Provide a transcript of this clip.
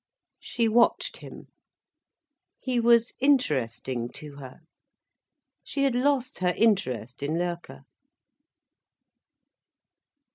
She watched him. He was interesting to her. She had lost her interest in Loerke.